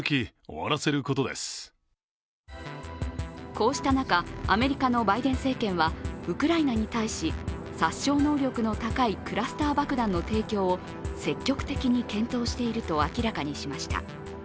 こうした中、アメリカのバイデン政権はウクライナに対し、殺傷能力の高いクラスター爆弾の提供を積極的に検討していると明らかにしました。